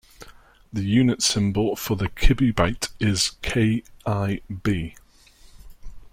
The unit symbol for the kibibyte is KiB.